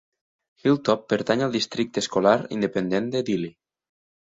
Hilltop pertany al districte escolar independent de Dilley.